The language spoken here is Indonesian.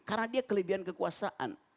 karena dia kelebihan kekuasaan